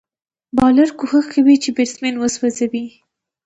بالر کوښښ کوي، چي بېټسمېن وسوځوي.